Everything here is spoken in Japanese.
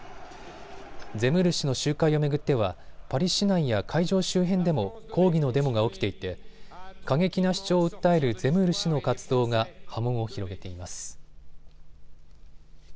ゼムール氏の集会を巡ってはパリ市内や会場周辺でも抗議のデモが起きていて過激な主張を訴えるゼムール氏の活動が波紋を広げています。